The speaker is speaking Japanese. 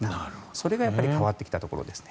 それが変わってきたところですね。